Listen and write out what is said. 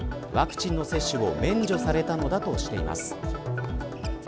ワクチンの接種を免除されたのだとしています。